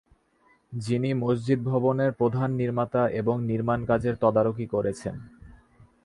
যিনি মসজিদ ভবনের প্রধান নির্মাতা এবং নির্মাণ কাজের তদারকি করেছেন।